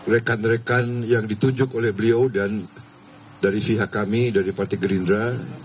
rekan rekan yang ditunjuk oleh beliau dan dari pihak kami dari partai gerindra